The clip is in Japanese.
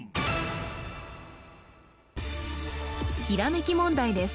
ひらめき問題です